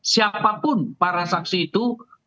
siapapun para saksi itu